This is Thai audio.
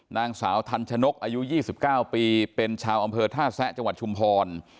นางสาวทันชนกอายุ๒๙ปีเป็นชาวอำเภอท่าแซะจังหวัดชุมพร